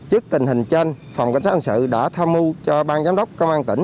trước tình hình trên phòng cảnh sát hành sự đã tham mưu cho ban giám đốc công an tỉnh